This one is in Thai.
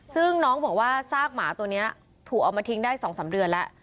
ซึ่งน้องบอกว่าซากหมาตัวนี้ถูกเอามาทิ้งได้๒๓เดือนแล้ว